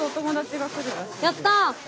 やった！